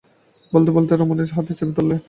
বলতে বলতে রমেনের হাত চেপে ধরলে।